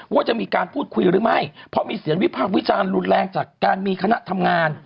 ว่าจะมีการพูดคุยหรือไม่เพราะมีเสียงวิพากษ์วิจารณ์รุนแรงจากการมีคณะทำงาน